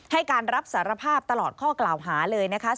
ให้การรับสารภาพตลอดข้อกล่าวหาเลยนะคะ